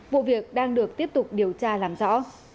vụ việc đang được tiếp tục điều tra làm rõ